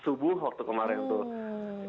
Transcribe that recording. subuh waktu kemarin tuh